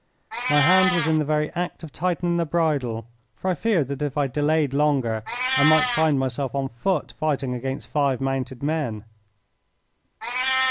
My hand was in the very act of tightening the bridle, for I feared that if I delayed longer I might find myself on foot fighting against five mounted men.